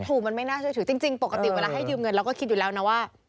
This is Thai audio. ถูกมันไม่น่าเชื่อถือจริงปกติเวลาให้ยืมเงินเราก็คิดอยู่แล้วนะว่า